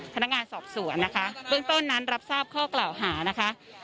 พนักงานสอบสวนนะคะเบื้องต้นนั้นรับทราบข้อกล่าวหานะคะ